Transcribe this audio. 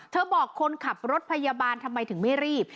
บอกคนขับรถพยาบาลทำไมถึงไม่รีบ